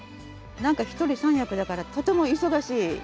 何か一人三役だからとても忙しい。